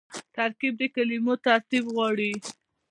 ترکیب د کلمو ترتیب غواړي.